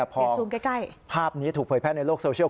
พอภาพนี้ถูกเผยแพร่ในโลกโซเชียล